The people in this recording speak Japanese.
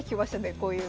こういうの。